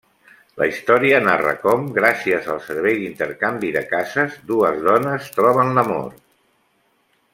La història narra com, gràcies al servei d'intercanvi de cases, dues dones troben l'amor.